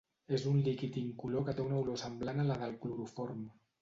És un líquid incolor que té una olor semblant a la del cloroform.